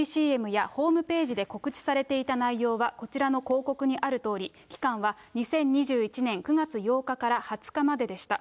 ＣＭやホームページで告知されていた内容は、こちらの広告にあるとおり、期間は２０２１年９月８日から２０日まででした。